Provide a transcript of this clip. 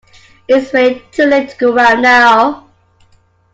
It's way too late to go out now.